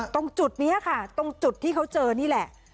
ตรงจุดนี้ค่ะตรงจุดที่เขาเจอนี่แหละ